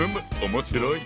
面白い！